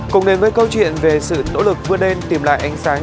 cùng đến với câu chuyện về sự nỗ lực vừa đen tìm lại ánh sáng